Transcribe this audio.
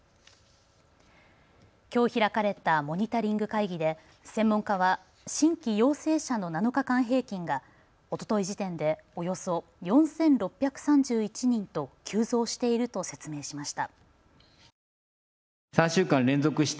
きょう開かれたモニタリング会議で専門家は新規陽性者の７日間平均がおととい時点でおよそ４６３１人と急増していると説明しました。